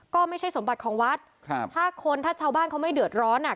ก็ไม่ใช่สมบัติของวัดครับถ้าคนถ้าชาวบ้านเขาไม่เดือดร้อนอ่ะ